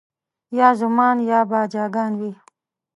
یا زومان یا باجه ګان وي